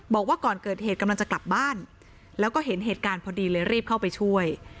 บอกว่าก่อนเกิดเหตุกำลังจะกลับบ้านแล้วก็เห็นเหตุการณ์พอดีเลยรีบเข้าไปช่วย